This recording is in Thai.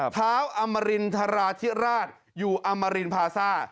เท้าอมรินทราธิราชอยู่อมรินพาซ่า